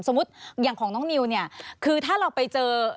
อย่างของน้องนิวเนี่ยคือถ้าเราไปเจอ